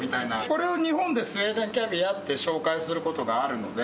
これを日本でスウェーデンキャビアって紹介することがあるので。